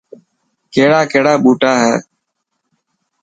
ڪهڙا ڪهڙا ٻوٽا هي.